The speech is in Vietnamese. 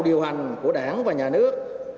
điều hành của đảng và nhà nước